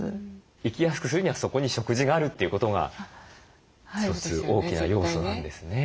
行きやすくするにはそこに食事があるということが一つ大きな要素なんですね。